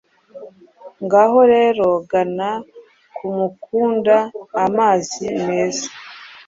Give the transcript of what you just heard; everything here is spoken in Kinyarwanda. Ngaho rero gana kumukunda amazi meza